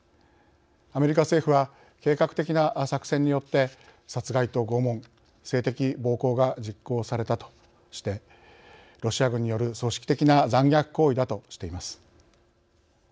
アメリカ政府は計画的な作戦によって殺害と拷問、性的暴行が実行されたとしてロシア軍による組織的な残虐行為だとしています。